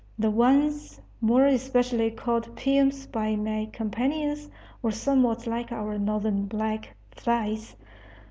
The ones more especially called piums by my companions were somewhat like our northern black flies.